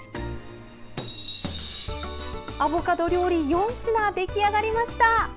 アボカド料理４品が出来上がりました。